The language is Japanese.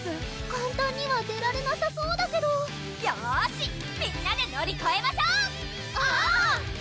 簡単には出られなさそうだけどよしみんなで乗りこえましょうおっ！